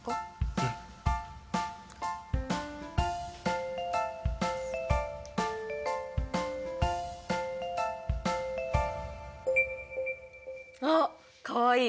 うん。あっかわいい！